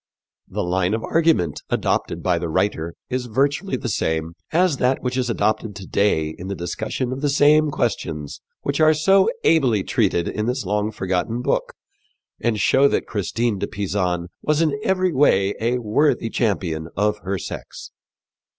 The line of argument adopted by the writer is virtually the same as that which is adopted to day in the discussion of the same questions which are so ably treated in this long forgotten book and show that Christine de Pisan was in every way a worthy champion of her sex.